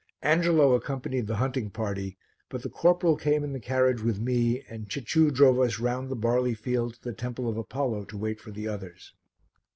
Angelo accompanied the hunting party, but the corporal came in the carriage with me and Cicciu drove us round the barley field to the Temple of Apollo to wait for the others.